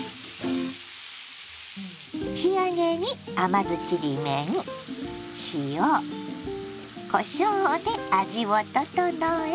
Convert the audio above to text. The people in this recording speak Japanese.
仕上げに甘酢ちりめん塩こしょうで味を調え。